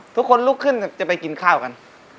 ทุกคนลุกขึ้นจะไปกินข้าวกัน